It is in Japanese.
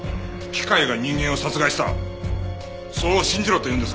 機械が人間を殺害したそれを信じろというんですか？